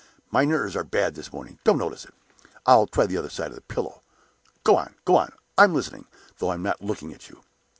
"My nerves are bad this morning; don't notice it. I'll try the other side of the pillow. Go on! go on! I'm listening, though I'm not looking at you."